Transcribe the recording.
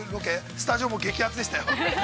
スタジオ、激熱でしたよ。